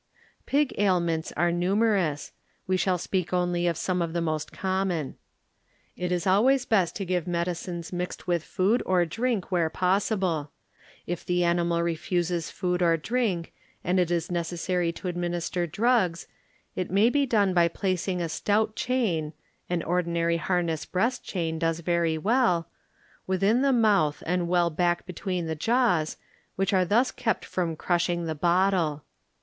Pig ailments are numerous; we shall speak only of some of the most common. It is always best to give medicines mixed with food or drink where {possible. If the animal refuses food or drink and it is necessary to administer drugs, it may be done by placing a stout chain (an ordinary harness breast chain does ver? well) within the mouth and well bade between the jaws, which are thus kept from crushing the bottle.